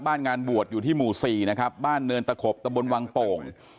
งานบวชอยู่ที่หมู่๔นะครับบ้านเนินตะขบตะบนวังโป่ง